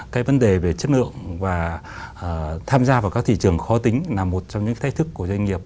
cái vấn đề về chất lượng và tham gia vào các thị trường khó tính là một trong những thách thức của doanh nghiệp